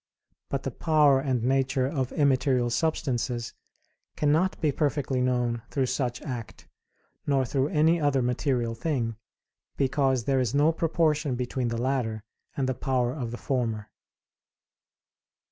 But the power and nature of immaterial substances cannot be perfectly known through such act, nor through any other material thing, because there is no proportion between the latter and the power of the former.